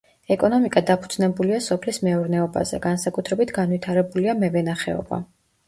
ეკონომიკა დაფუძნებულია სოფლის მეურნეობაზე, განსაკუთრებით განვითარებულია მევენახეობა.